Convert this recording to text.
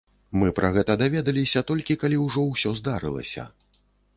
Мы пра гэта даведаліся, толькі калі ўжо ўсё здарылася.